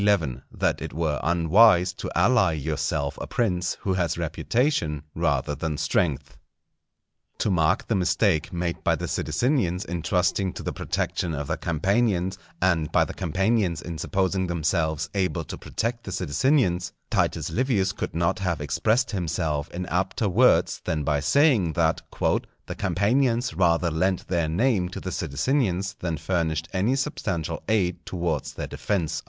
—That it were unwise to ally yourself a Prince who has Reputation rather than Strength. To mark the mistake made by the Sidicinians in trusting to the protection of the Campanians, and by the Campanians in supposing themselves able to protect the Sidicinians, Titus Livius could not have expressed himself in apter words than by saying, that "_the Campanians rather lent their name to the Sidicinians than furnished any substantial aid towards their defence.